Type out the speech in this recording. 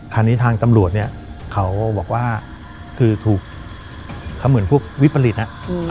ทางนี้ทางตำรวจเนี่ยเขาบอกว่าคือถูกเขาเหมือนพวกวิปริตอ่ะ